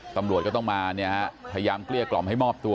ตำรวจก็ต้องมาเนี่ยฮะพยายามเกลี้ยกล่อมให้มอบตัว